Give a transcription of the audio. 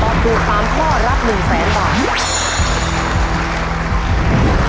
ตอบถูก๓ข้อรับ๑๐๐๐๐๐บาท